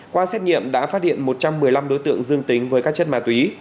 qua xét nghiệm đã phát hiện một trăm một mươi năm đối tượng dương tính với các chất ma túy